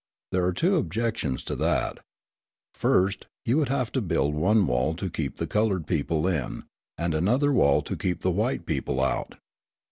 There are two objections to that. First, you would have to build one wall to keep the coloured people in, and another wall to keep the white people out.